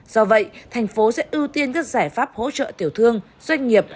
do vậy thành phố sẽ ưu tiên các giải pháp hỗ trợ tiểu thương doanh nghiệp